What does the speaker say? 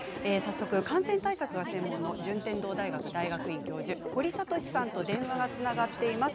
感染対策が専門の順天堂大学大学院教授・堀賢さんと電話がつながっています。